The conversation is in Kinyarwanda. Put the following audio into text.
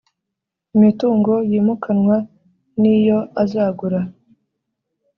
Imitungo yimukanwa niyo azagura.